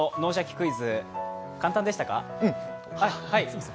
クイズ」、簡単でしたか？